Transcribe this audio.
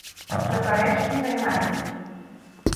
Заперечні займенники